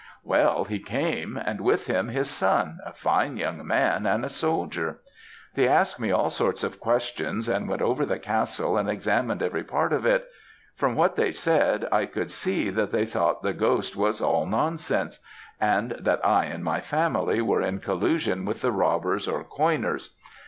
"'Well, he came, and with him his son, a fine young man and a soldier. They asked me all sorts of questions, and went over the castle and examined every part of it. From what they said, I could see that they thought the ghost was all nonsense, and that I and my family were in collusion with the robbers or coiners.